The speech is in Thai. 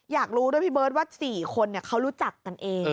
อยากรู้ด้วยพี่เบิร์ตว่า๔คนเขารู้จักกันเอง